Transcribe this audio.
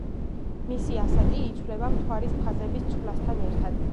მისი ასაკი იცვლება მთვარის ფაზების ცვლასთან ერთად.